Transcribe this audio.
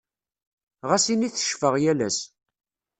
Ɣas ini teccfeɣ yal ass.